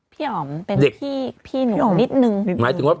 พี่อ๋อเป็นพี่เด็ก